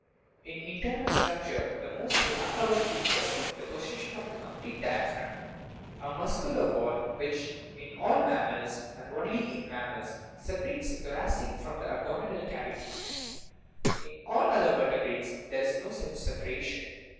In internal structure the most remarkable feature is the possession of a complete diaphragm, a muscular wall which, in all mammals and only in mammals separates the thoracic from the abdominal cavity ; in all other vertebrates there is no such separation.